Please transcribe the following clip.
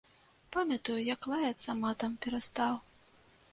Памятаю, як лаяцца матам перастаў.